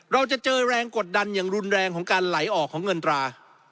เราจะเจอแรงกดดันอย่างรุนแรงของการไหลออกของเงินตรา